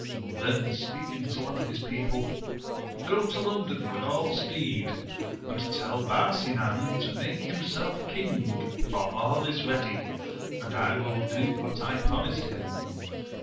Then speakins to one of bis people, — 60 to Loudon m^Ja. i>" 192 AMADIS OF GAUL and tell Barsinan to make himself king, for all is ready, and I will do what I promised him.